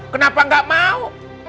kenapa gak mau